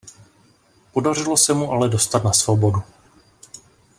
Podařilo se mu ale dostat na svobodu.